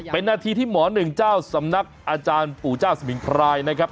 เป็นนาทีที่หมอหนึ่งเจ้าสำนักอาจารย์ปู่เจ้าสมิงพรายนะครับ